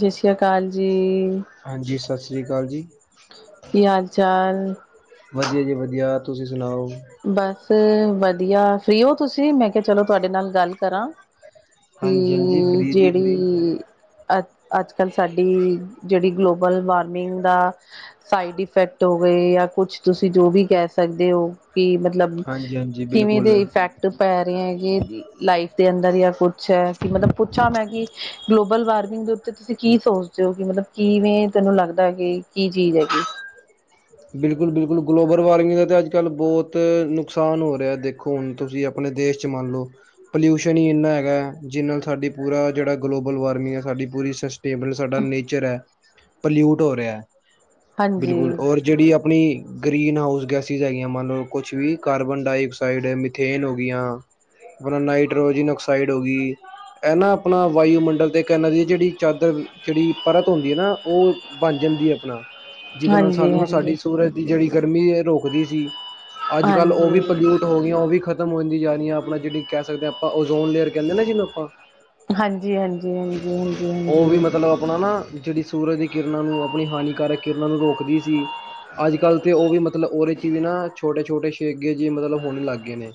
ਸਸ ਸ੍ਰੀ ਅਕਾਲ ਜੀ। ਸਸ਼੍ਰੀ ਅਕਾਲ ਜੀ। ਕੀ ਹਾਲ ਚਾਲ ਵਧੀਆ ਜੀ ਵਧੀਆ। ਤੁਸੀਂ ਸੁਣਾਓ? ਬਸ ਵਧੀਆ ਫਰੀ ਹੋ ਤੁਸੀਂ? ਮੈਂ ਕਿਹਾ ਚਲੋ ਤੁਹਾਡੇ ਨਾਲ ਗੱਲ ਕਰਾਂ। ਹਾਂਜੀ ਹਾਂਜੀ ਅਤੇ ਫ੍ਰੀ ਜੀ ਫ੍ਰੀ ਜਿਹੜੀ- ਅ ਅੱਜ ਕੱਲ੍ਹ ਸਾਡੀ ਜਿਹੜੀ ਗਲੋਬਲ ਵਾਰਮਿੰਗ ਦਾ ਸਾਈਡ ਇਫੈਕਟ ਹੋ ਗਏ ਜਾਂ ਕੁਛ ਤੁਸੀਂ ਜੋ ਵੀ ਕਹਿ ਸਕਦੇ ਹੋ- ਕਿ ਮਤਲਬ ਹਾਂਜੀ ਹਾਂਜੀ ਕਿਵੇਂ ਬਿਲਕੁਲ ਦੇ ਇਫੈਕਟ ਪੈ- ਰਹੇ ਹੈਗੇ ਲਾਈਫ ਦੇ ਅੰਦਰ ਜਾਂ ਕੁਛ ਹੈ ਕਿ ਮਤਲਬ ਪੁੱਛਾਂ ਮੈਂ ਕਿ ਗਲੋਬਲ ਵਾਰਮਿੰਗ ਦੇ ਉੱਤੇ ਤੁਸੀਂ ਕੀ ਸੋਚਦੇ ਹੋ ਕਿ ਮਤਲਬ ਕਿਵੇਂ ਤੈਨੂੰ ਲੱਗਦਾ ਕਿ ਕੀ ਚੀਜ਼ ਹੈਗੀ? ਬਿਲਕੁਲ ਬਿਲਕੁਲ ਗਲੋਬਲ ਵਾਰਮਿੰਗ ਦਾ ਤਾਂ ਅੱਜ ਕੱਲ੍ਹ ਬਹੁਤ ਨੁਕਸਾਨ ਹੋ ਰਿਹਾ ਦੇਖੋ ਹੁਣ ਤੁਸੀਂ ਆਪਣੇ ਦੇਸ਼ 'ਚ ਮੰਨ ਲਓ ਪੋਲਿਊਸ਼ਨ ਹੀ ਇੰਨਾ ਹੈਗਾ ਜਿੰਨਾ ਨਾਲ ਸਾਡੀ ਪੂਰਾ ਜਿਹੜਾ ਗਲੋਬਲ ਵਾਰਮਿੰਗ ਐ ਸਾਡੀ ਪੂਰੀ ਸਸਟੇਬਲ ਸਾਡਾ ਨੇਚਰ ਐ ਪਲਿਊਟ ਹੋ ਰਿਹਾ। ਹਾਂਜੀ। ਬਿਲਕੁਲ ਔਰ ਜਿਹੜੀ ਆਪਣੀ ਗ੍ਰੀਨ ਹਾਊਸ ਗੈਸਿਸ ਹੈਗੀਆਂ ਮੰਨ ਲਓ ਕੁਛ ਵੀ ਕਾਰਬਨ ਡਾਇਆਕਸਾਈਡ, ਮਿਥੇਨ ਹੋਗੀਆਂ ਆਪਣਾ ਨਾਈਟ੍ਰੋਜਨ ਆਕਸਾਈਡ ਹੋ ਗਈ, ਇਹ ਨਾ ਆਪਣਾ ਵਾਯੂਮਡਲ ਤੇ ਇਹਨਾਂ ਦੀ ਜਿਹੜੀ ਚਾਦਰ ਜਿਹੜੀ ਪਰਤ ਹੁੰਦੀ ਐ ਨਾ ਉਹ ਬਣ ਜਾਂਦੀ ਹੈ ਆਪਣਾ- ਜਿਹਦੇ ਨਾਲ ਹਾਂਜੀ ਸਾਨੂੰ ਨਾ- ਹਾਂਜੀ ਸਾਡੀ ਸੂਰਜ ਦੀ ਜਿਹੜੀ- ਗਰਮੀ ਇਹ ਰੋਕਦੀ ਸੀ- ਅੱਜ ਕੱਲ ਉਹ ਹਾਂਜੀ ਵੀ ਪੋਲਿਊਟ ਹੋ ਗਈਆਂ, ਉਹ ਵੀ ਖ- ਖਤਮ ਹੋਦੀਆ ਜਾ ਰਹੀਆਂ ਆਪਣਾ ਜਿਹੜੀ ਕਹਿ ਸਕਦੇ ਆ ਆਪਾਂ ਓਜ਼ੋਨੇਅਰ ਕਹਿੰਦੇ ਨਾ ਜਿਹਨੂੰ ਆਪਾਂ- ਹਾਂਜੀ ਹਾਂਜੀ ਹਾਂਜੀ ਹਾਂਜੀ ਉਹ ਵੀ ਹਾਂਜੀ ਮਤਲਬ ਆਪਣਾ ਨਾ ਜਿਹੜੀ ਸੂਰਜ ਦੀ ਕਿਰਨ- ਕਿਰਨਾਂ ਨੂੰ ਆਪਣੀ ਹਾਨੀਕਾਰਕ ਕਿਰਨਾਂ ਨੂੰ ਰੋਕਦੀ ਸੀ। ਅੱਜ ਕੱਲ੍ਹ ਤੇ ਉਹ ਵੀ ਮਤਲਬ ਉਹਦੇ 'ਚ ਵੀ ਨਾ ਛੋਟੇ- ਛੋਟੇ ਛੇਗੇ ਜੇ ਮਤਲਬ ਹੋਣ ਲੱਗ ਗਏ ਨੇ।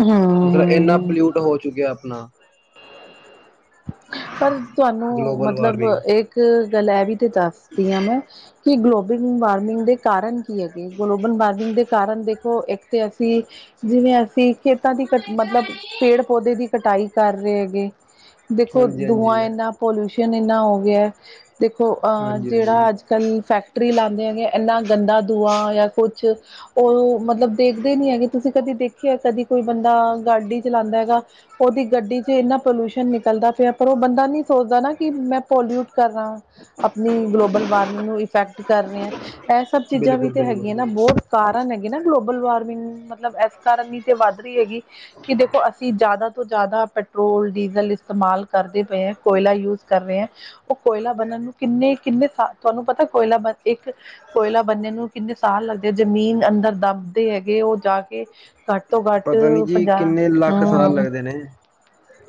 ਹਮ ਮਤਲਬ ਇੰਨਾ ਹਮ ਪਲਿਊਟ ਹੋ ਚੁੱਕਿਆ। ਆਪਣਾ- ਪਰ ਤੁਹਾਨੂੰ ਗਲੋਬਲ ਮਤਲਬ ਵਾਰਮਿੰਗ ਇੱਕ ਗੱਲ ਇਹ ਵੀ ਤੇ ਦੱਸਦੀ ਹਾਂ ਮੈਂ- ਕਿ ਗਲੋਬਲ ਵਾਰਮਿੰਗ ਦੇ ਕਾਰਨ- ਕੀ ਹੈਗੇ ਗਲੋਬਲ ਵਾਰਮਿੰਗ ਦੇ- ਕਾਰਨ ਦੇਖੋ ਇੱਕ ਤੇ ਅਸੀਂ ਜਿਵੇਂ ਅਸੀਂ- ਖੇਤਾਂ ਦੀ ਕ ਮਤਲਬ ਪੇੜ-ਪੌਦੇ ਦੀ ਕਟਾਈ ਕਰ ਰਹੇ ਹੈਗੇ- [inaudible] ਹਾਂਜੀ ਦੂੰਆਂ ਹਾਂਜੀ। ਇੰਨਾ ਪੋਲਿ--ਊਸ਼ਨ ਇੰਨਾ ਹੋ ਗਿਆ ਦੇਖੋ ਹਾਂਜੀ ਹਾਂਜੀ ਜਿਹੜਾ ਅੱਜ ਕੱਲ੍ਹ ਫੈਕਟਰੀ ਲਾਂਦੇ ਹੈਗੇ ਇੰਨਾ ਗੰਦਾ ਦੂਆ ਜਾਂ ਕੁਛ ਉਹ ਮਤਲਬ ਦੇਖਦੇ ਨੀ ਹੈਗੇ ਤੁਸੀਂ ਕਦੇ ਦੇਖ ਦੇਖਿਆ ਕਦੀ ਕੋਈ ਬੰਦਾ ਗਾਡੀ ਚਲਾਂਦਾ ਹੈਗਾ ਉਹਦੀ ਗੱਡੀ ਚ ਇੰਨਾ ਪੋਲਿਊਸ਼ਨ ਨਿਕਲਦਾ। ਪਰ ਉਹ ਬੰਦਾ ਨੀ ਸੋਚਦਾ ਨਾ ਕਿ ਮੈਂ ਪੋਲਿਊਟ ਕਰਨਾ ਆਪਣੀ ਗਲੋਬਲ ਵਾਰਮਿੰਗ ਨੂੰ ਇਫੈਕਟ ਕਰ ਰਿਹਾ ਇਹ ਸਭ ਚੀਜ਼ਾਂ ਵੀ ਬਿਲਕੁਲ ਤੇ ਬਿਲਕੁਲ ਹੈਗੀਆਂ ਨਾ ਬਹੁਤ ਕਾਰਨ ਹੈਗੇ ਨਾ ਗਲੋਬਲ ਲ ਵਾਰਮਿੰਗ ਮਤਲਬ ਇਸ ਕਾਰਨ ਹੀ ਤੇ ਵੱਧ ਰਹੀ ਹੈਗੀ ਕਿ ਦੇਖੋ ਅਸੀਂ ਜ਼ਿਆਦਾ ਤੋਂ ਜ਼ਿਆਦਾ ਪ ਪੈਟਰੋਲ ਡੀਜ਼ਲ ਇਸਤੇਮਾਲ ਕਰਦੇ ਪਏ ਹੈ ਕੋਇਲਾ ਯੂਜ ਕਰ ਰਹੇ ਹੈ ਉਹ ਕੋਇਲਾ ਬਣਨ ਨੂੰ ਕਿੰਨੇ ਕਿੰਨੇ ਸ ਤੁਹਾਨੂੰ ਪਤਾ ਕੋਇਲਾ ਬ ਇੱਕ ਕੋਇਲਾ [unintelligible] ਬੰਦੇ ਨੂੰ ਕਿੰਨੇ ਸਾਹਾਲ ਲੱਗਦੇ ਆ ਜ਼ਮੀਨ ਅੰਦਰ ਦੱਬਦੇ ਹੈਗੇ ਉਹ ਜਾ ਕੇ ਘੱਟ ਤੋਂ ਘੱਟ ਪਤਾ ਨੀ ਜੀ ਪੰਜਾਹ ਕਿੰਨੇ ਲੱਖ ਸਾਲ ਹੂੰ ਲੱਗਦੇ ਨੇ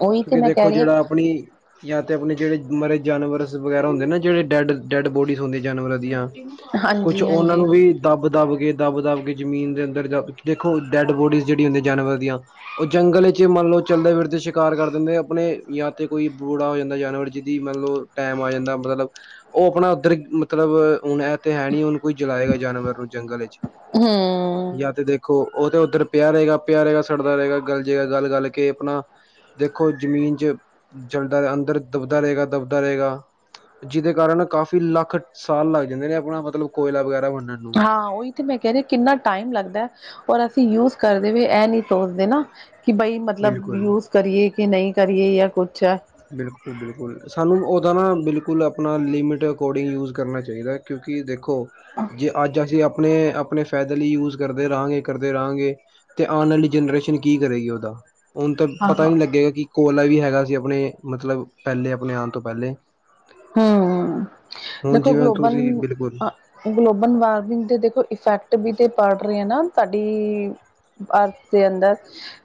ਉਹੀ ਤੇ ਕਿਉਂਕਿ ਮੈਂ ਕਹਿ ਦੇਖੋ ਰਹੀ ਹਾਂ ਜਿਹੜਾ ਆਪਣੀ ਜਾਂ ਤੇ ਆਪਣੇ ਜਿਹੜੇ ਮਰੇ ਜਾਨਵਰ ਵਗੈਰਾ ਹੁੰਦੇ ਨਾ ਜਿਹੜੇ ਡੈਡ ਡੈਡ ਬੋਡੀਜ਼ ਹੁੰਦੀਆਂ ਜਾਨਵਰਾਂ ਦੀਆਂ ਹਾਂ ਕੁਛ ਹਾਂਜੀ ਉਹਨਾਂ ਹਾਂਜੀ ਨੂੰ ਵੀ ਦੱਬ ਦੱਬ ਦੱਬ ਦੱਬ ਕੇ ਜ਼ਮੀਨ ਦੇ ਅੰਦਰ ਦੇਖੋ ਡੈਡ ਬੋਡੀਜ਼ ਜਿਹੜੀ ਹੁੰਦੀਆਂ ਜਾਨਵਰ ਦੀਆਂ ਉਹ ਜੰਗਲ ਚ ਮੰਨ ਲਓ ਚੱਲਦੇ ਫਿਰਦੇ ਕਾਰ ਕਰ ਦਿੰਦੇ ਆਪਣੇ ਜਾਂ ਤੇ ਕੋਈ ਬੁੜਾ ਹੋ ਜਾਂਦਾ ਜਾਨਵਰ ਜਿਹਦੀ ਮਤਲਬ ਟੈਮ ਆ ਜਾਂਦਾ ਮਤਲਬ ਉਹ ਆਪਣਾ ਉੱਧਰ ਮਤਲਬ ਹੁਣ ਇਹ ਤੇ ਹੈ ਨੀ ਹੁਣ ਕੋਈ ਜਲਾਏਗਾ ਜਾਨਵਰ ਨੂੰ ਜੰਗਲ ਵਿੱਚ ਹੂੰ ਜਾਂ ਤੇ ਦੇਖੋ ਉਹ ਤੇ ਉੱਧਰ ਪਿਆ ਰਹੇਗਾ ਪਿਆ ਰਹੇਗਾ ਸੜਦਾ ਰਹੇਗਾ ਗੱਲ ਜੇ ਗੱਲ ਗੱਲਕੇ ਆਪਣਾ ਦੇਖੋ ਜਮੀਨ ਚ ਜਲਦਾ ਅੰਦਰ ਦੱਬਦਾ ਰਹੇਗਾ ਦੱਬਦਾ ਰਹੇਗਾ ਜਿਹਦੇ ਕਾਰਨ ਕਾਫ਼ੀ ਲੱਖ ਸਾਲ ਲੱਗ ਜਾਂਦੇ ਨੇ ਆਪਣਾ ਮਤਲਬ ਕੋਇਲਾ ਵਗੈਰਾ ਬਣ ਹਾਂ ਉਹੀ ਤੇ ਮੈਂ ਕਹਿ ਰਹੀ ਕਿੰਨਾ ਟਾਈਮ ਲੱਗਦਾ ਔਰ ਅਸੀਂ ਯੂਜ ਕਰਦੇ ਹੋਏ ਇਹ ਨਹੀਂ ਸੋਚਦੇ ਨਾ ਕਿ ਬਈ ਮਤਲਬ ਬਿਲਕੁਲ ਯੂਜ ਕਰੀਏ ਕਿ ਨਹੀਂ ਕਰੀਏ ਜਾਂ ਕੁੱਛਾ [unintelligible] ਬਿਲਕੁਲ ਬਿਲਕੁਲ ਸਾਨੂੰ ਉਹਦਾ ਨਾ ਬਿਲਕੁਲ ਆਪਣਾ ਲਿਮਿਟ ਅਕੋਰਡਿੰਗ ਯੂਜ ਕਰਨਾ ਚਾਹੀਦਾ ਕਿਉਂਕਿ ਦੇੋਖੋ ਜ ਅੱਜ ਅਸੀਂ ਆਪਣੇ ਆਪਣੇ ਫਾਇਦੇ ਲਈ ਯੂਜ ਕਰਦੇ ਰਹਾਂਗੇ ਕਰਦੇ ਰਹਾਂਗੇ ਤੇ ਆਉਣ ਆਲੀ ਜਨਰੇਸ਼ਨ ਕੀ ਕਰੇਗੀ ਉਹਦਾ ਹੁਣ ਤਾਂ ਹਾਂ ਪਤਾ ਹਾਂ ਨੀ ਲੱਗੇਗਾ ਕਿ ਕੋਲ ਆਈ ਹੈਗਾ ਅਸੀ ਆਪਣੇ ਮਤਲਬ ਪਹਿਲੇ ਆਪਣੇ ਆਉਣ ਤੋਂ ਪਹਿਲੇ ਹਂ ਹੁਣ ਦੇਖੋ ਜਿਵੇਂ ਗਲੋਬਲ ਤੁਸੀਂ ਬਿਲਕੁਲ ਅ ਗਲੋਬਲ ਵਾਰਮਿੰਗ ਦੇ ਦੇਖੋ [unintelligible] ਫੈਕਟ ਵੀ ਤੇ ਪੜ ਰੇ ਆ ਨਾ। ਸਾਡੀ ਅਰਥ ਦੇ ਅੰਦਰ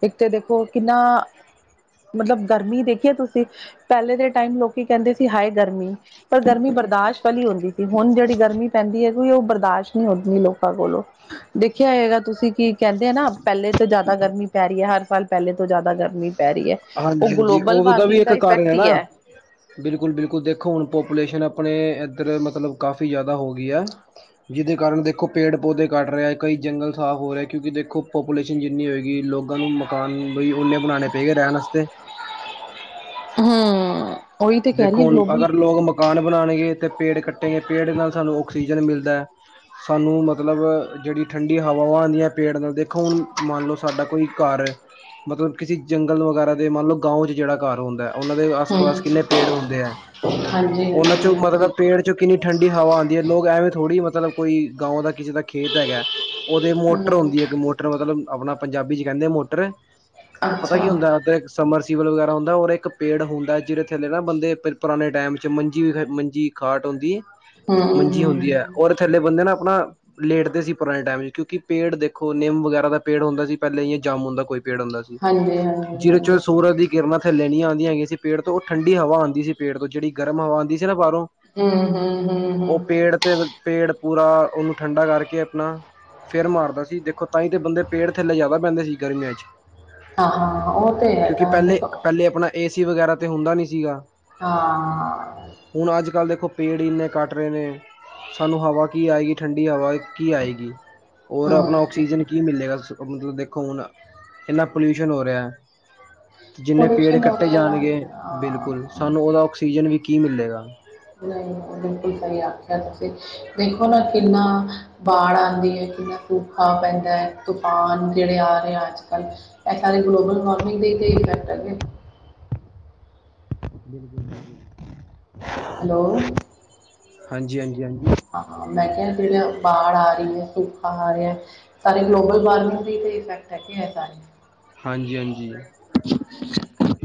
ਇੱਕ ਤੇ ਦੇਖੋ ਕਿੰਨਾ ਮਤਲਬ ਗਰਮੀ ਦੇਖੀਏ ਤੁਸੀ ਪਹਿਲੇ ਦੇ ਟਾਈਮ ਲੋਕੀ ਕਹਂਦੇ ਸੀ ਹਾਏ ਗਰਮੀ। ਪਰ ਗਰਮੀ ਬਰਦਾਸ਼ ਵਾਲੀ ਹੋਂਦੀ ਸੀ ਹੁਣ ਜੇੜੀ ਗਰਮੀ ਪੈਂਦੀ ਏ। ਓ ਈਓ ਬਰਦਾਸ਼ਤ ਨਹੀਂ ਹੋਂਦੀ ਲੋਕਾਂ ਕੋਲੋਂ ਦੇਖ ਦੇਖਿਆ ਹੋਗਾ ਤੁਸੀ ਕੀ ਕਹੰਦੇ ਆ ਨਾ ਪਹਿਲੇ ਤੋਂ ਜਾਦਾ ਗਰਮੀ ਪੈ ਰਹੀ ਹੈ ਹਰ ਸਾਲ ਪਹਿਲੇ ਤੋਂ ਜਾਦਾ ਗਰਮ ਮੀ ਪੈਰੀ। ਹਾਂਜੀ ਹਾਂਜੀ ਓਦਾ ਵੀ ਏਕ ਕਾਰਨ ਹੈ ਨਾ ਬਿਲਕੁਲ ਬਿਲਕੁਲ ਦੇਖੋ ਹੁਣ ਪੋਪੂਲੇਸ਼ਨ ਐ ਅਪਣੇ ਇੱਧਰ ਮਤਲਬ ਕਾਫੀ ਜਾਦਾ ਹੋ ਗਈ ਹੈ ਜਿਹਦੇ ਕਾਰਨ ਦੇਖੋ ਪੇੜ ਪੌਦੇ ਕੱਟ ਰਹੇ ਕਈ ਜੰਗਲ ਸਾਫ਼ ਹੋ ਰਹੇ ਕਿਉਂਕਿ ਦੇਖੋ ਪੋਪੂਲੇਸ਼ਨ ਜਿੰਨੀ ਹੋਏਗੀ ਲੋਕਾਂ ਨੂੰ ਮਕਾਨ ਵੀ ਓਨੇ ਬਣਾਣੇ ਪੇਗੇ ਰਹਣ ਵਾਸਤੇ ਤੇ ਹਂ। ਦੇਖੋ ਹੁਣ ਅਗਰ ਲੋਗ ਮਕਾਨ ਬਣਾਉਣਗੇ ਤੇ ਪੇੜ ਕੱਟੇਂ ਗੇ ਪੇੜ ਨਾਲ ਸਾਨੂੰ ਔਕਸੀ ਆਕਸੀਜਨ ਮਿਲਦਾ ਐ। ਸਾਨੂੰ ਮਤਲਬ ਜੇੜੀ ਠੰਡੀ ਹਵਾਵਾਂ ਆਂਦੀਆਂ ਪੇੜ ਨਾਲ ਦੇਖੋ ਹੁਣ ਮੰਨ ਲਉ ਸਾਡਾ ਕੋਈ ਘਰ ਏ ਮਤਲਬ ਕਿਸੇ ਜੰਗਲ ਵਗੈਰਾ ਦੇ ਮੰਨ ਲਓ ਗਾਓਂਂ ਚ ਜੇੜਾ ਘਰ ਹੁੰਦਾ ਐ। ਓਨਾਂ ਦੇ ਆਸ ਹਮ ਪਾਸ। ਪੇੜ ਹੁੰਦੇ ਹੈ ਹਾਂਜੀ ਹਾਂਜੀ ਓਨਾਂ ਚੋਂ ਮਤਲਬ ਹਾਂਜੀ ਪੇੜ ਚੋਂ ਕਿੰਨੀ ਠੰਡੀ ਹਵਾ ਆਂਦੀ ਹੈ ਲੋਗ ਐਵੇਂ ਥੋੜ੍ਹੀ ਮਤਲਬ ਕੋਈ ਗਾਓ ਦਾ ਕਿਸੇ ਦਾ ਖੇਤ ਹੈਗਾ। ਓਦੇ ਮੋਟਰ ਹਮ ਹੁੰਦੀ ਹੈ ਇੱਕ ਮੋਟਰ ਮਤਲਬ ਅਪਣਾ ਪੰਜਾਬੀ ਚ ਕਹਿੰਦੇ ਐ ਮੋਟਰ। ਔ ਪਤਾ ਅੱਛਾ ਕੀ ਹੁੰਦਾ ਐ ਔਤੇ ਸਮਰਸ ਜੀਵਲ ਵਗੈਰਾ ਹੋਂਦਾ ਔਰ ਏਕ ਪੇੜ ਹੋਂਦਾ ਐ ਜਿਦੇ ਖੇਲੇੇਗਾ ਬੰਦੇ ਪ ਪਰਾਣੇ ਟੈਮ ਚ ਮੰਜੀ ਫੇ ਮੰਜੀ ਖਾਟ ਹੋਂਦੀ ਏ। ਹਮ ਹਮ, ਮੰਜੀ ਹੁੰਦੀ ਐ ਹਮ ਔਰੈ ਥੱਲੇ ਬੰਦੇ ਨਾ ਅਪਣਾ ਲੇਟਦੇ ਸੀ ਪੁਰਾਣੇ ਟੈਮ ਚ ਕਿਉਂਕਿ ਪੇੜ ਦੇਖੋ ਨਿੰਮ ਵਗੈਰਾ ਦਾ ਪੇੜ ਹੁੰਦਾ ਸੀ ਪਹਿਲੇ ਯ ਜਾਮੁਨ ਦਾ ਕੋਈ ਪੇੜ ਹੁੰਦਾ ਸੀ ਹਾਂਜੀ ਹਾਂਜੀ ਜਿਰੇ ਚ ਹਾਂਜੀ ਸੂਰਜ ਦੀ ਕਿਰਨਾਂ ਥੱਲੇ ਨੀ ਆਂਦੀਆਂ ਦੀ ਹੈਗੀਆਂ ਸੀ ਪੇੜ ਤੋਂ। ਠੰਡੀ ਹਵਾ ਆਂਦੀ ਸੀ ਪੇੜ ਤੋਂ ਜੇੜੀ ਗਰਮ ਹਵਾ ਆਂਦੀ ਸੀ ਨਾ ਬਾਰੋਂ ਹਮ ਹਮ ਹਮ ਉਹ ਹਮ ਪੇੜ ਤੇ ਪੇੜ ਪੂਰਾ ਓਨੂੰ ਠੰਡਾ ਕਰਕੇ ਅਪਣਾ ਫੇਰ ਮਾਰਦਾ ਸੀ ਦੇਖੋ ਤਾਂਹੀ ਤੇ ਬੰਦੇ ਪੇੜ ਥੱਲੇ ਜਾਦਾ ਬੈਂਦੇ ਸੀ ਗਰਮੀਆਂ ਚ। ਆਹ ਹਾਂ ਉਹ ਤੇ ਹੈਗਾ ਦੇਖੋ। ਏ ਸੀ ਵਗੈਰਾ। ਤੇ ਹੁੰਦਾ ਨੀ ਸੀਗਾ। ਹਾਂ। ਅਜ ਕੱਲ ਦੇਖੋ ਪੇੜ ਇੰਨੇ ਕੱਟ ਰਹੇ ਨੇ ਸਾਨੂੰ ਹਵਾ ਕੀ ਆਏਗੀ ਠੰਡੀ ਹਵਾ ਕੀ ਆਏਗੀ ਔਰ ਅਪਣਾ ਹਮ ਆਕਸੀਜਨ ਕੀ ਮਿਲੇਗਾ ਮਤਲਬ ਦੇਖੋ ਹੁਣ ਕਿੰਨਾ ਪੋਲਿਊਸ਼ਨ ਹੋ ਰਿਹਾ ਐ। ਜਿੰਨੇ ਪੇੜ ਪੋਲੂਸ਼ਨ ਹੋ ਕੱਟੇ ਰਿਹਾ ਜਾਣਗੇ। ਨਾਲ ਹਾਂ ਬਿਲਕੁਲ ਸਾਨੂੰ ਉਹਦਾ ਔਕਸਿ ਜਨ ਵੀ ਕੀ ਮਿਲੇਗਾ ਨਹੀਂ ਬਿਲਕੁਲ ਸਹੀ ਆਖਿਆ ਤੁਸੀਂ ਦੇਖੋ ਨਾ ਕਿੰਨਾ ਬਾੜ ਆਉਂਦੀ ਹੈ ਕਿੰਨਾ ਸੂਖਾ ਪੈਂਦਾ ਹੈ ਤੂਫਾਨ ਜਿਹੜੇ ਆ ਰਹੇ ਅੱਜ ਕੱਲ੍ਹ ਇਹ ਸਾਰੇ ਗਲੋਬਲ ਵਾਰਮਿੰਗ ਦੇ ਹੀ ਇਫੈਕਟ ਹੈਗੇ ਬਿਲਕੁਲ ਬਿਲਕੁਲ ਹੈਲੋ ਹਾਂਜੀ ਹਾਂਜੀ ਹਾਂਜੀ ਹਾਂ ਮੈਂ ਕਿਹਾ ਜਿਹੜੇ ਬਾ ਆ ਰਹੀ ਹੈ ਸਖਾ ਆ ਰਿਹਾ ਸਾਰੇ ਗਲੋਬਲ ਵਾਰਮਿੰਗ ਇਫੈਕਟ ਹੈ ਸਾਰੇ ਹਾਂਜੀ ਹਾਂਜੀ [inaudible]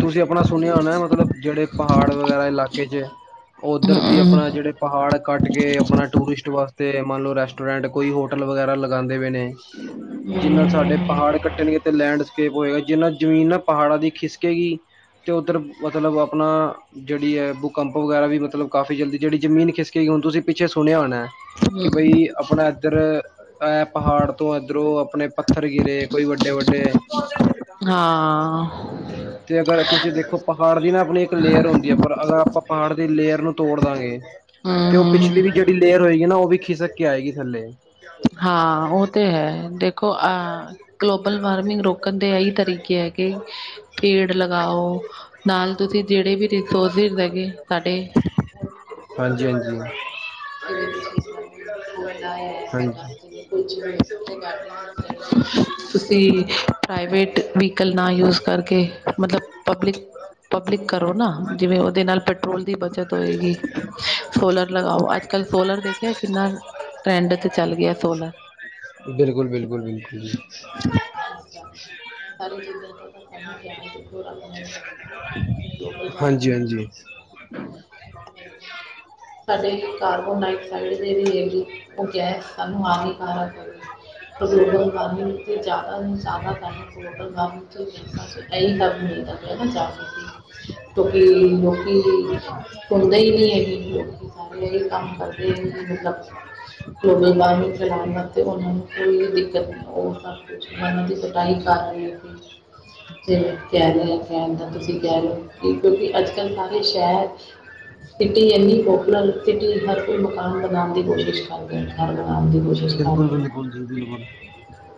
ਤੁਸੀਂ ਆਪਣਾ ਸੁਣਿਆ ਹੋਣਾ ਮਤਲਬ ਜਿਹੜੇ ਪਹਾੜ ਵਗੈਰਾ ਇਲਾਕੇ ਚ ਉੱਧਰ ਦੀ ਆਪਣਾ ਜਿਹੜੇ ਪਹਾੜ ਕੱਟ ਕੇ ਆਪਣਾ ਟੂਰਿਸਟ ਵਾਸਤੇ ਤੇ ਮੰਨ ਲਓ ਰੈਸਟੋਰੈਂਟ ਕੋਈ ਹੋਟਲ ਵਗੈਰਾ ਲਗਾਉਂਦੇ ਪਏ ਨੇ ਜਿੰਨਾ ਸਾਡੇ ਪਹਾੜ ਕੱਟੇਣਗੇ ਤੇ ਲੈਂਡਸਕੇਪ ਹੋਏਗਾ ਜਿਨਾ ਜ਼ਮੀਨ ਪਹਾੜਾਂ ਦੀ ਖਿਸਕ । ਖਿੱਸਕੇਗੀ ਅਤੇ ਉੱਧਰ ਮਤਲਬ ਆਪਣਾ ਜਿਹੜੀ ਹੈ ਭੂਕੰਪ ਵਗੈਰਾ ਵੀ ਮਤਲਬ ਕਾਫੀ ਜਲਦੀ ਜਿਹੜੀ ਜ਼ਮੀਨ ਖਿਸਕੇਗੀ ਹੁਣ ਤੁਸੀਂ ਪਿੱਛੇ ਸੁਣਿਆ ਹੋਣਾ ਕਿ ਬਈ ਆਪਣਾ ਇਧਰ ਆ ਪਹਾੜ ਤੋਂ ਇਧਰੋਂ ਆਪਣੇ ਪੱਥਰ ਗਿਰੇ ਕੋਈ ਵੱਡੇ ਵੱਡੇ ਹਾਂ ਤੇ ਅਗਰ ਤੁਸੀਂ ਦੇਖੋ ਪਹਾੜ ਦੀ ਨਾ ਆਪਣੀ ਇੱਕ ਲੇਅਰ ਹੁੰਦੀ ਹੈ ਪਰ ਅਗਰ ਆਪਾਂ ਪਹਾੜ ਦੀ ਲੇਅਰ ਨੂੰ ਤੋੜ ਦਾਂਗੇ ਤੇ ਹਮ ਉਹ ਹਮ ਪਿਛਲੀ ਵੀ ਜਿਹੜੀ ਲੇਅਰ ਹੋਏਗੀ ਨਾ ਉਹ ਵੀ ਖਿਸਕ ਕੇ ਆਏਗੀ ਥੱਲੇ ਹਾਂ ਉਹ ਤੇ ਹੈ ਦੇਖੋ ਅਹ ਗਲੋਬਲ ਵਾਰਮਿੰਗ ਰੋਕਣ ਦੇ ਇਹੀ ਤਰੀਕੇ ਹੈ ਕਿ ਪੇੜ ਲਗਾਓ ਨਾਲ ਤੁਸੀਂ ਜਿਹੜੇ ਵੀ ਰਿਸੋਰਸਿਸ ਹੈਗੇ ਸਾਡੇ, ਉਹਨੂੰ ਘੱਟ ਤੋਂ ਘੱਟ ਹਾਂਜੀ ਯੂਜ ਹਾਂਜੀ ਕਰੋ ਜਿਵੇਂ ਤੁਸੀਂ ਕੋਇਲਾ ਹਾਂਜੀ ਹੈਗਾ ਿ ਕੁ ਤੁਸੀਂ ਪ੍ਰਵੇਟ ਵਿਕਲ ਨਾ ਯੂਜ ਕਰ ਕਰਕੇ ਮਤਲਬ ਪਬਲਿਕ, ਪਬਲਿਕ ਕਰੋ ਨਾ ਜਿਵੇਂ ਉਹਦੇ ਨਾਲ ਪੈਟਰੋਲ ਦੀ ਬੱਚਤ ਹੋਏਗੀ, ਸੋਲਰ ਲਗਾਓ ਅੱਜ ਕੱਲ ਸੋਲਰ ਦੇਖਿਆ ਕਿੰਨਾ ਟਰੈਂਡ ਤੇ ਚੱਲ ਗਿਆ ਸੋਲਰ ਬਿਲਕੁਲ ਬਿਲਕੁਲ ਬਿਲਕੁਲ ਜੀ ਇਸ ਕਰਕੇ ਇਹ ਸਾਰੀ [unintelligible] ਹਾਨੀਕਾਰਕ ਹਾਂਜੀ ਹਾਂਜੀ ਹੈਗੀ ਗਲੋਬਲ ਵਾਰਮਿੰਗ ਤੇ ਜ਼ਿਆਦਾ ਨੂੰ ਜ਼ਿਆਦਾ ਤਾਨੂੰ ਗੋਬਲ ਵਾਰਮਿੰਗ ਚ ਇਹੀ ਕੰਮ ਮਿਲਦਾ ਪਯਾ ਨਾ ਜਾ ਕੇ ਕਿਉਂਕਿ ਲੋਕੀ ਸੁਣਦੇ ਹੀ ਨਹੀਂ ਹੈਗੇ ਲੋਕ ਸਾਰੇ ਇਹੀ ਕੰਮ ਕਰਦੇ ਹੈ ਕਿ ਮਤਲਬ ਲੋਕਲ- ਬਾਹਰ ਨੂੰ ਫੈਲਾਣ ਵਾਸਤੇ ਉਹਨਾਂ ਨੂੰ ਕੋਈ ਦਿੱਕਤ ਨਹੀਂ ਉਹ ਸਭ ਕੁਛ ਉਹਨਾਂ ਦੀ ਕਟਾਈ ਕਰਹੀ ਹੈ ਜਿਵੇਂ ਕਹਿ ਰਹੇ ਆ ਕਹਿਣ ਦਾ ਤੁਸੀਂ ਕਹਿ ਰਹੇ ਹੋ ਕਿ ਕਿਉਂਕਿ ਅੱਜ ਕੱਲ ਸਾਰੇ ਸ਼ਹਿਰ ਸਿਟੀ ਇੰਨੀ ਪਪੂਲਰ ਸਿਟੀ ਹਰ ਕੋਈ ਮਕਾਨ ਬਣਾਣ ਦੀ ਕੋਸ਼ਿਸ਼ ਕਰਦੇ ਆ। ਘਰ ਬਣਾਉਣ ਦੀ ਕੋਸ਼ਿਸ਼ ਬਿਲਕੁਲ ਕਰਦੇ ਆ ਨਾ ਬਿਲਕੁਲ ਜੀ ਬਿਲਕੁਲ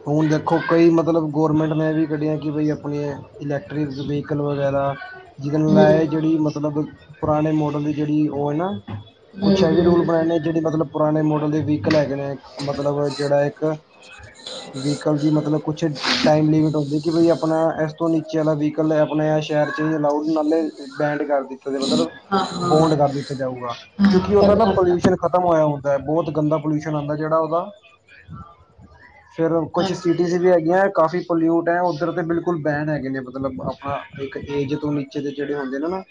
ਹੁਣ ਦੇਖੋ ਕਈ ਮਤਲਬ ਗੌਰਮੈਂਟ ਨੇ ਵੀ ਕੱਢੀਆਂ ਕਿ ਬਾਈ ਆਪਣੇ ਇਲੈਕਟ੍ਰਿਕ ਵਹੀਕਲ ਵਗੈਰਾ ਜਿਹਦੇ ਨਾਲਏ ਮਤਲਬ ਪੁਰਾਣੇ ਮੋਡਲ ਦੀ ਜਿਹੜੀ ਉਹ ਹੈ ਨਾ ਕੁਛ ਇਹਵੇ ਰੂਲ ਬਣਾਏ ਨੇ ਜਿਹੜੇ ਮਤਲਬ ਪੁਰਾਣੇ ਮੋਡਲ ਦੇ ਵਹੀਕਲ ਹੈਗੇ ਨੇ ਮਤਲਬ ਜਿਹੜਾ ਇੱਕ ਵੀਹੀਕਲ ਦੀ ਮਤਲਬ ਕੁਛ ਟਾਈਮ ਲਿਮਿਟ ਹੁੰਦੀ ਕਿ ਬਈ ਆਪਣਾ ਇਸ ਤੋਂ ਨੀਚੇ ਵਾਲਾ ਵਹੀਕਲ ਹੈ ਆਪਣੇ ਸ਼ਹਿਰ 'ਚ ਲਓ ਨਾਲੇ ਬੈਂਨ ਕਰ ਦਿੱ ਮਤਲਬ ਹਾਂ ਬੋਂਡ ਕਰ ਹਾਂ ਦਿੱਤਾ ਜਾਊਗਾ ਹਾਂ ਕਿਉਂਕਿ ਉਹਦਾ ਨਾ ਸਾਲ ਪੋਲਿਊਸ਼ਨ ਖਤਮ ਹੋਇਆ ਹੁੰਦਾ ਹੈ ਬਹੁਤ ਗੰਦਾ ਪਲੂਸ਼ਸ਼ਨ ਆਉਂਦਾ ਜਿਹੜਾ ਉਹਦਾ ਫੇਰ ਕੁਛ ਸੀਟੀਜ਼ ਹਾਂਜੀ ਵੀ ਹੈਗੀਆਂ ਕਾਫੀ ਪੋਲਿਊਟ ਹੈ ਬਿਲਕੁਲ ਬੈਣ ਹੈਗੇ ਨੇ ਮਤਲਬ ਆਪਣਾ ਇੱਕ ਏਜ ਤੋਂ ਨੀਚੇ ਦੇ ਜਿਹੜੇ ਹੁੰਦੇ ਨੇ ਨਾ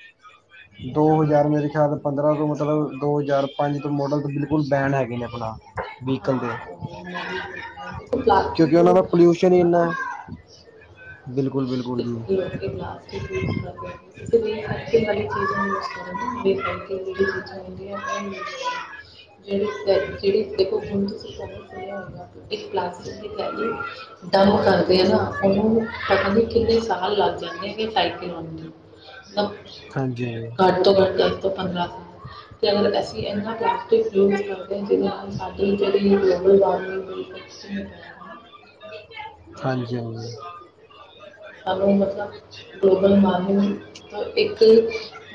ਦੋ ਹਜ਼ਾਰ ਮੇਰੇ ਖਿਆਲ ਪੰਦਰਾਂ ਤੋਂ ਮਤਲਬ ਦੋ ਹਜ਼ਾਰ ਪੰਜ ਤੋਂ ਮਾਡਲ ਤੋਂ ਬਿਲਕੁਲ ਬੈਨ ਹੈਗੇ ਨੇ ਆਪਣਾ ਵਹੀਕਲ ਦੇ ਹਾਂ ਮੈਂ ਵੀ ਕਿਉਂਕਿ ਪਲਾਸਟਿਕ ਉਹਨਾਂ ਯੂਜ ਦਾ ਘੱਟ ਪੋਲਿਊਸ਼ਨ ਕਰੋ ਹੀ ਨਾ ਇੰਨਾ ਤੁਸੀ ਬਿਲਕੁਲ ਬਿਲਕੁਲ ਜੀ ਲੋਕ ਪਲਾਸਟ ਯੂਜ ਕਰਦੇ ਤੁਸੀ ਰੀਸਾਈਕਲ ਵਾਲੀ ਚੀਜ਼ ਯੂਜ ਕਰੋ ਨਾ ਰਿਸਾਇਕਲ ਚੀਜਾ ਹੁੰ ਉਹ ਯੇਜ ਕਰੋ ਜਿਹੜੇ ਜਿਹੜੀ ਦੇਖੋ ਹੁਣ ਤੁਸੀਂ ਸਾਨੂੰ ਸੁਣਿਆ ਹੋਏਗਾ ਕਿ ਇੱਕ ਪਲਾਸਟਿਕ ਦੀ ਥੈਲੀ ਦਮ ਕਰ ਨਾ ਉਹਨੂੰ ਪਤਾ ਨੀ ਕਿੰਨੇ ਸਾਲ ਲੱਗ ਜਾਂਦੇਗੇ ਸਾਈਕਲ ਹਾਂਜੀ ਘੱਟ ਤੋਂ ਘੱਟ ਦਸ ਤੋਂ ਪੰਦਰਾਂ ਅਗਰ ਅਸੀਂ ਇਨਾ ਪਲਾਸਟਿਕ ਯੂਜ ਕਰਦੇ ਹਾਂ ਜਿਹਦੇ ਨਾਲ ਸਾਡੀ ਜਿਹੜੀ ਗਲੋਬਲ ਵਾਰਮਿੰਗ ਦੇ ਇੈਫੈਕਟ ਕਿੰਨੇ ਪੈ ਹਾਂਜੀ-ਹਾਂਜੀ। ਸਾਨੂੰ ਮਤਲਬ ਗਲੋਬਲ ਵਾਰਮਿੰਗ ਤੋਂ ਇੱਕ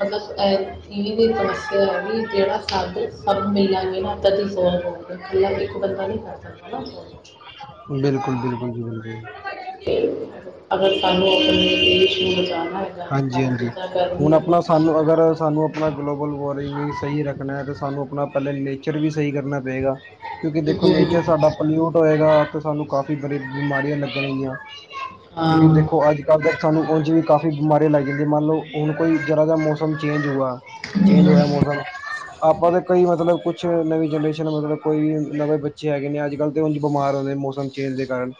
ਮਤਲਬ ਦੀ ਸਮੱਸਿਆ ਹੈ ਕਿ ਜਿਹੜਾ ਸਾਦ ਸਭ ਮਿਲਾਂਗੇ ਨਾ ਸੋਲਵ ਹੋਗੇ ਇਕੱਲਾ ਇੱਕ ਬੰਦਾ ਨੀ ਕਰ ਸਕਦਾ ਨਾ ਸੋਲਵ ਬਿਲਕੁਲ-ਬਿਲਕੁਲ ਜ਼ੀ ਜੀ਼ ਅਗਰ ਸਾਨੂੰ ਆਪਣੇ ਦੇਸ਼ ਨੂੰ ਬਚਾਣਾ ਹਾਂਜੀ -ਹਾਂਜੀ ਹੁਣ ਆਪਣਾ ਸਾਨੂੰ ਅਗਰ ਸਾਨੂੰ ਆਪਣਾ ਗਲੋਬਲ ਵਾਰਮਿੰਗ ਸਹੀ ਰੱਖਣਾ ਤਾਂ ਸਾਨੂੰ ਆਪਣਾ ਪਹਿਲਾਂ ਨੇਚਰ ਵੀ ਸਹੀ ਕਰਨਾ ਪਏਗਾ ਕਿਉਂਕਿ ਦੇਖੋ ਹੈਗੀ ਨੇਚਰ ਸਾਡਾ ਪੋਲਿਊਟ ਹੋਏਗਾ ਸਾਨੂੰ ਕਾਫੀ ਬੜ ਬਿਮਾਰੀਆਂ ਲੱਗਣ ਹੋਗਆਂ ਕਿਉਂਕਿ ਹਾਂ ਦੇਖੋ ਅੱਜ ਕੱਲ੍ਹ ਤਾਂ ਸਾਨੂੰ [unintelligible] ਫਿਰ ਬਿਮਾਰੀ ਲੱਗ ਜਾਂਦੀਆਂ ਮੰਨ ਲਓ ਹੁ ਕੋਈ ਜ਼ਰਾ ਦਾ ਮ ਮੌਸ ਚਂਜ ਹੋਊਗਾ ਚੇਂਜ ਹੋਇਆ ਮੌਸਮ ਆਪਾਂ ਤੇ ਕਈ ਮਤਲਬ ਕੁਛ ਨਵੀਂ ਜਨਰੇਸ਼ਨ ਮਤਲਬ ਕੋਈ ਵੀ ਨਵੇਂ ਬੱਚੇ ਹੈਗੇ ਨੇ ਅੱਜ ਕੱਲ੍ਹ ਤੇ ਬਿਮਾਰ ਹੁੰਦੇ ਮੌਸਮ ਚੇਂਜ ਦੇ ਕਾਰਨ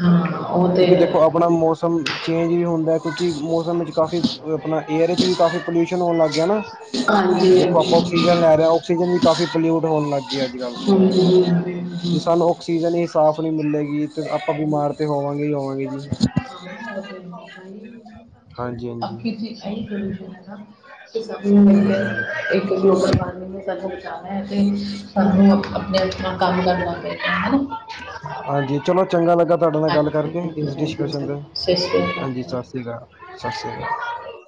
ਹਾਂ ਉਹ ਤੇ ਕਿਉਂਕਿ ਦੇਖੋ ਹੈ ਆਪਣਾ ਮੌਸਮ ਚੇਂਜ ਵੀ ਹੁੰਦਾ- ਕਿਉਂਕਿ ਮੌਸਮ ਵਿੱਚ ਕਾਫੀ ਆਪਣਾ ਹੇਅਰ ਵਿੱਚ ਵੀ ਕਾਫ਼ੀ ਪੋਲਿਊਸ਼ਨ ਹੋਣ ਲੱਗ ਗਿਆ ਨਾ ਹਾਂਜੀ ਦੇਖੋ ਆਪਾਂ, ਆਕਸੀਜਨ ਲੈ ਰਹੇ ਹਾਂ ਆਕਸੀਜਨ ਵੀ ਕਾਫ਼ੀ ਪੋਲਿਊਟ ਹੋਣ ਲੱਗ ਗਏ ਅੱਜ ਕੱਲ, ਜੇ ਹਾਂਜੀ ਸਾਨੂੰ ਆਕਸੀਜਨ ਹੀ ਸਾਫ਼- ਨਹੀਂ ਮਿਲਲੇਗੀ। ਫ਼ਿਰ ਆਪਾਂ ਬਿਮਾਰ ਤੇ ਹੋਵਾਂਗੇ ਹੀ ਹੋਵਾਂਗੇ ਜੀ। ਹਾਂਜੀ ਹਾਂਜੀ ਅਖੀਰ ਤਾਂ ਇਹੀ ਸਲਿਊਸ਼ਨ ਹੈ ਨਾ ਕਿ ਸਭ ਨੂੰ ਮਿਲ ਕੇ ਹਾਂਜੀ ਇੱਕ ਗਲੋਬਲ ਵਾਰਮਿੰਗ ਨੂੰ [unintelligible] [unintelligible] ਤੇ ਸਾਨੂੰ ਆਪਣੇ ਆਪਣਾ ਕੰਮ ਕਰਨਾ ਪਏਗਾ ਹਨਾ। ਹਾਂਜੀ ਹਾਂਜੀ ਚਲੋ ਚੰਗਾ ਲੱਗ- ਗਾ ਤੁਹਾਡੇ ਨਾਲ ਗੱਲ ਕਰਕੇ ਇਸ ਹਾਂਜੀ ਡਿਸਕਸ਼ਨ ਤੇ ਚਲੋ ਸਤਿ ਸ਼੍ਰੀ ਹਾਂਜੀ ਅਕਾਲ ਸਤਿ ਸ਼੍ਰੀ ਅਕਾਲ ਸਤਿ ਸ਼੍ਰੀ ਅਕਾਲ।